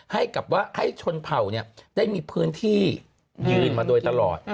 ให้ชนเผ่าได้มีพื้นที่ยืนมาโดยตลอด